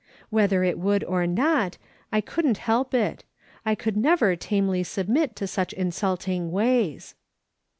Whether it w^ould or not, I couldn't help it. I could never tamely submit to such insulting ways."